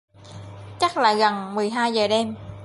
chắc là gần mười hai giờ đêm